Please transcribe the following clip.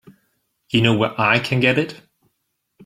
You know where I can get it?